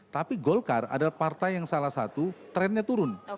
tapi golkar adalah partai yang salah satu trennya turun